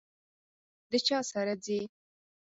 د چا سره ځئ؟